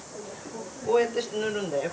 こうやって塗るんだよ。